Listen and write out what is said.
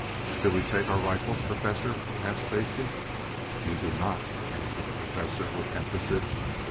"Do we take our rifles, Professor?" asked Stacy. "You do not," answered the Professor, with emphasis.